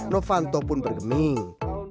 novanto pun bergeming